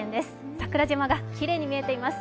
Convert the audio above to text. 桜島がきれいに見えています。